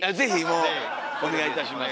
もうお願いいたします。